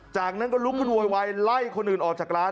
จากนั้นก็ลุกขึ้นโวยวายไล่คนอื่นออกจากร้าน